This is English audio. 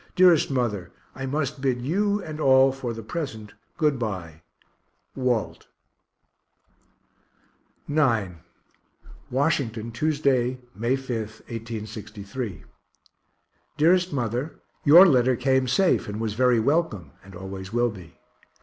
Dearest mother, I must bid you and all for the present good bye. WALT. IX Washington, Tuesday, May 5, 1863. DEAREST MOTHER Your letter came safe, and was very welcome, and always will be.